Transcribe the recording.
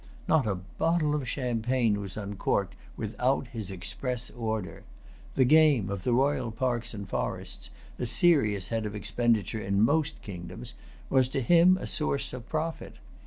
Not a bottle of champagne was uncorked without his express order. The game of the royal parks and forests, a serious head of expenditure in most kingdoms, was to him a source of profit.